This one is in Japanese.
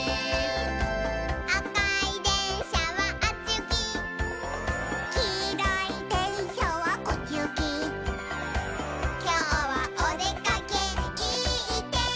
「あかいでんしゃはあっちゆき」「きいろいでんしゃはこっちゆき」「きょうはおでかけいいてんき」